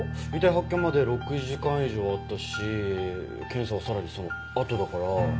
遺体発見まで６時間以上あったし検査はさらにそのあとだから。